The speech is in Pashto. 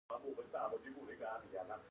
آیا کاناډایان په اسانۍ سفر نشي کولی؟